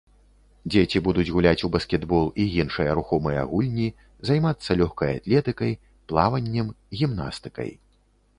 Дзеці будуць гуляць у баскетбол і іншыя рухомыя гульні, займацца лёгкай атлетыкай, плаваннем, гімнастыкай.